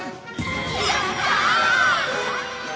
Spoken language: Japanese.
やった！